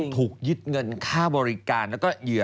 ถูกยึดเงินการฆ่าบริการนะ